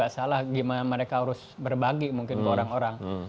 mungkin saya juga salah gimana mereka harus berbagi mungkin ke orang orang